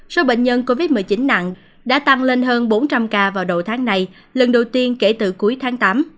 số bệnh nhân covid một mươi chín nặng đã tăng lên hơn bốn trăm linh ca vào độ tháng này lần đầu tiên kể từ cuối tháng tám